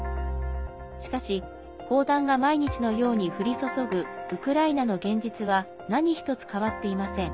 しかし、砲弾が毎日のように降り注ぐウクライナの現実は何一つ、変わっていません。